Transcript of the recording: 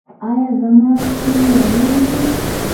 ایا زما ستونی روغ دی؟